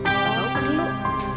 siapa tahu perlu